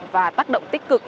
và tác động tích cực